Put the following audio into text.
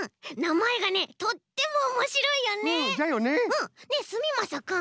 うん。ねえすみまさくん。